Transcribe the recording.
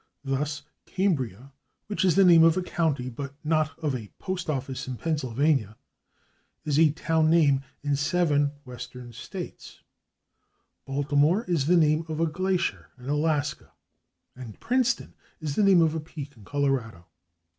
Thus, /Cambria/, which is the name of a county but not of a postoffice in Pennsylvania, is a town name in seven western states; /Baltimore/ is the name of a glacier in Alaska, and /Princeton/ is the name of a peak in Colorado.